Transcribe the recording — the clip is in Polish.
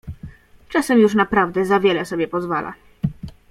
Czasem już naprawdę za wiele sobie pozwala.